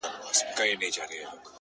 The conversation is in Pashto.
بيا ولې ستا د ښايست هغه عالمگير ورک دی!!